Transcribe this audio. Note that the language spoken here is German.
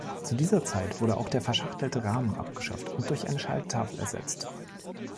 Zu dieser Zeit wurde auch der verschachtelte Rahmen abgeschafft und durch eine Schalttafel ersetzt.